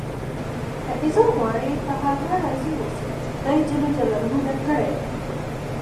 که عزت غواړئ؟ په هغه راضي اوسئ، چي خدای جل جلاله درکړي دي.